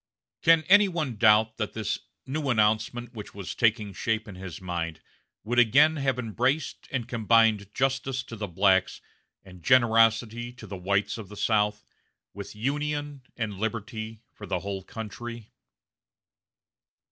Can any one doubt that this "new announcement" which was taking shape in his mind would again have embraced and combined justice to the blacks and generosity to the whites of the South, with Union and liberty for the whole country?